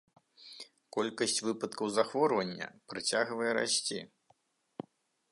Колькасць выпадкаў захворвання працягвае расці.